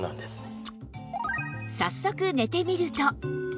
早速寝てみると